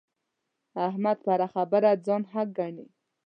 احمد په هره خبره ځان حق ګڼي.